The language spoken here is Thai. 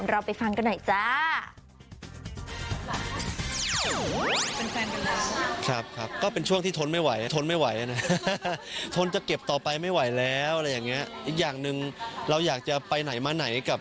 เราไปฟังกันหน่อยจ้า